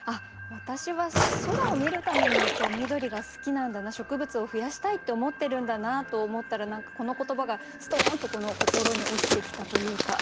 私は空を見るために緑が好きなんだな植物を増やしたいって思ってるんだなと思ったら何かこの言葉がストンと心に落ちてきたというか。